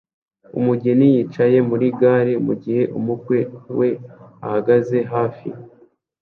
Umugeni yicaye muri gare mugihe umukwe we ahagaze hafi